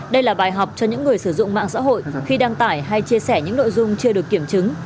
đây là bài học cho những người sử dụng mạng xã hội khi đăng tải hay chia sẻ những nội dung chưa được kiểm chứng